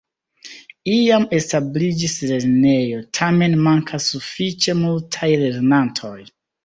Iam establiĝis lernejo, tamen mankas sufiĉe multaj lernantoj.